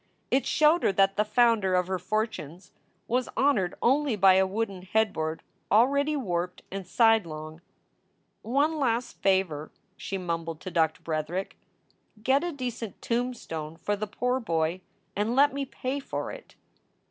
It showed her that the founder of her fortunes was honored only by a wooden head board already warped and sidelong. One last favor, she mumbled to Doctor Bretherick. Get a decent tombstone for the poor boy and let me pay for it."